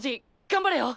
頑張れよ！